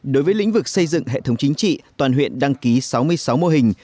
đối với lĩnh vực xây dựng hệ thống chính trị toàn huyện đăng ký sáu mươi sáu mô hình